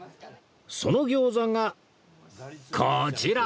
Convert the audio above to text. その餃子がこちら！